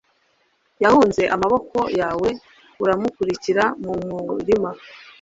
yahunze amaboko yawe uramukurikira mu murima